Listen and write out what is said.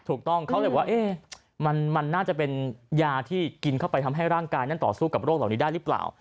ถูกต้องเขาเลยว่ามันน่าจะเป็นยาที่กินเข้าไปทำให้ร่างกายนั้นต่อสู้กับโรคเหล่านี้ได้หรือเปล่า